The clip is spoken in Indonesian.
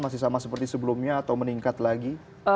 masih sama seperti sebelumnya atau meningkat lagi